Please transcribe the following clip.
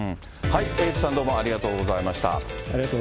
エイトさん、どうもありがとうございました。